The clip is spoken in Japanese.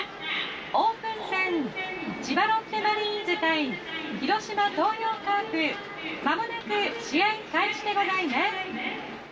オープン戦千葉ロッテマリーンズ対広島東洋カープまもなく試合開始でございます。